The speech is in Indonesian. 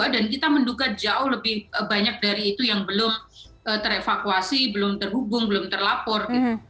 dan kita menduga jauh lebih banyak dari itu yang belum terevakuasi belum terhubung belum terlapor